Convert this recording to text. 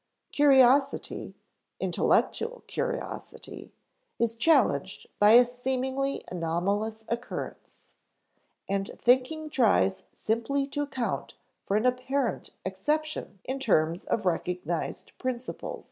Curiosity, intellectual curiosity, is challenged by a seemingly anomalous occurrence; and thinking tries simply to account for an apparent exception in terms of recognized principles.